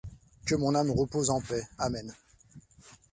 Que mon âme repose en paix, amen.